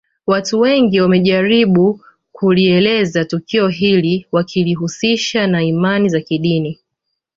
Watu wengine wamejaribu kulielezea tukio hili wakilihusisha na imani za kidini